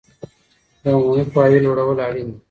د عمومي پوهاوي لوړول اړین دي.